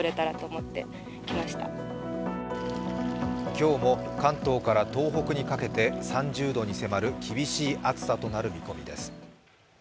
今日も関東から東北にかけて、３０度に迫る厳しい暑さとなる見込みです。